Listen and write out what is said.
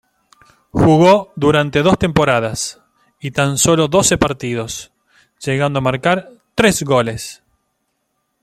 Jugó durante dos temporadas, y tan solo doce partidos, llegando a marcar tres goles.